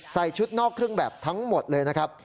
ชุดนอกเครื่องแบบทั้งหมดเลยนะครับ